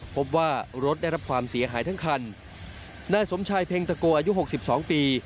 พบว่ารถได้รับความเสียหายทั้งคันนายสมชายเพ็งตะโกอายุหกสิบสองปี